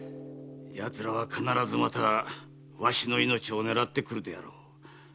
奴らは必ずまたわしの命を狙ってくるであろう。